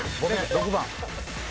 ６番。